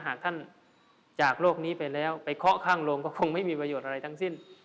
หากท่านจากโลกนี้ไปแล้วไปเคาะข้างโรงก็คงไม่มีประโยชน์อะไรทั้งสิ้น